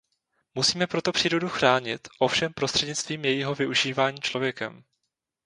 Musíme proto přírodu chránit, ovšem prostřednictvím jejího využívání člověkem.